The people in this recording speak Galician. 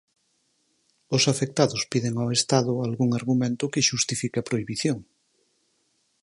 Os afectados piden ao Estado algún argumento que xustifique a prohibición.